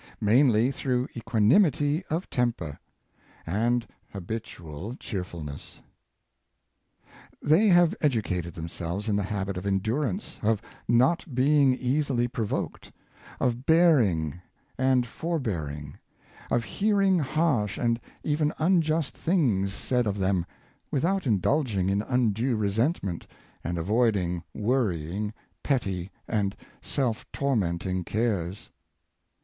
^ Mainly through equanimity of temper and ha bitual cheerfulness. They have educated themselves in the habit of endurance, of not being easily provoked, 33 514 Great Men Cheerfid, of bearing and forbearing, of hearing harsh and even unjust things said of them without indulging in undue resentment, and avoiding worrying, petty, and self tor menting cares.